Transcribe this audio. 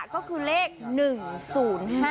ก็คือเลข๑๐๕คุณผู้ชมค่ะ